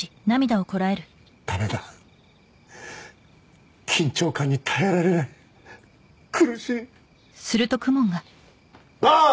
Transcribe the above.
ダメだ緊張感に耐えられない苦しいバーン！